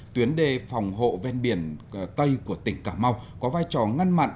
tuyến đê phòng hộ ven biển tây của tỉnh cà mau có vai trò ngăn mặn